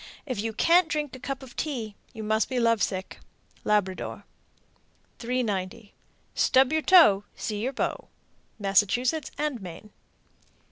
If you can't drink a cup of tea, you must be love sick. Labrador. 390. Stub your toe See your beau. _Massachusetts and Maine.